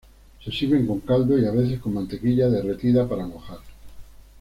Se sirven con caldo y a veces con mantequilla derretida para mojar.